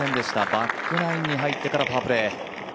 バックナインに入ってからパープレー。